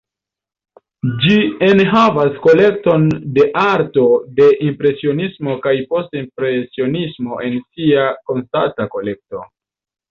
Ĝi enhavas kolekton de arto de Impresionismo kaj Post-impresionismo en sia konstanta kolekto.